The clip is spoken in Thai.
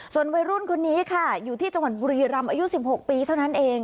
ส่วนวัยรุ่นคนนี้ค่ะอยู่ที่จังหวัดบุรีรำอายุ๑๖ปีเท่านั้นเอง